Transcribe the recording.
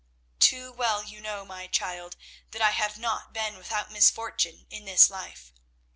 "Too well you know, my child, that I have not been without misfortune in this life.